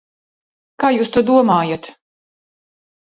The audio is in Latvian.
Kā jūs to domājat?